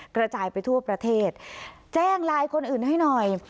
กระจายไปทั่วประเทศแจ้งไลน์คนอื่นให้หน่อย